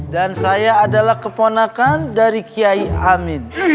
dan saya adalah keponakan dari kiai amin